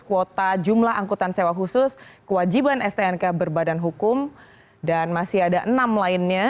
kuota jumlah angkutan sewa khusus kewajiban stnk berbadan hukum dan masih ada enam lainnya